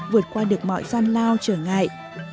vượt qua được mọi gian lao trở ngại